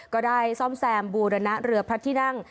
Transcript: ก็ได้ซ่อมแซมบูรณะเรือพระที่นั่ง